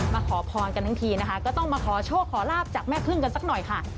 ขอพรกันทั้งทีนะคะก็ต้องมาขอโชคขอลาบจากแม่พึ่งกันสักหน่อยค่ะ